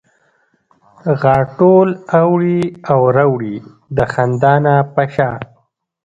غاټول اوړي او را اوړي د خندا نه په شا